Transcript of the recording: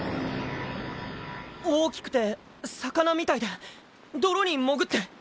大きくて魚みたいで泥に潜って。